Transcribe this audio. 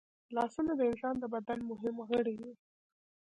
لاسونه د انسان د بدن مهم غړي دي